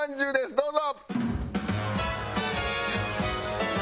どうぞ。